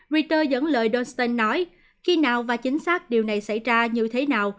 reuters dẫn lời donstein nói khi nào và chính xác điều này xảy ra như thế nào